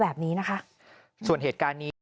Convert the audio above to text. แบบนี้นะคะส่วนเหตุการณ์นี้